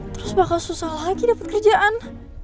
terus bakal susah lagi dapat kerjaan